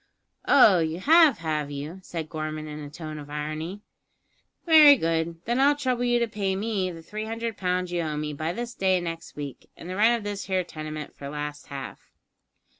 "Oh, you have, have you?" said Gorman in a tone of irony. "Very good; then I'll trouble you to pay me the three hundred pounds you owe me by this day next week, and the rent of this here tenement for last half."